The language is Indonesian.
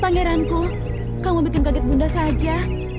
pangeranku kamu bikin kaget bunda saja